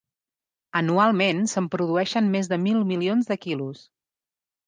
Anualment se'n produeixen més de mil milions de quilos.